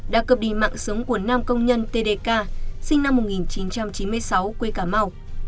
đã cướp đi mạng sống của nam công nhân tdk sinh năm một nghìn chín trăm chín mươi sáu quê cà mau